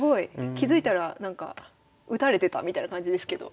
気付いたらなんか打たれてたみたいな感じですけど。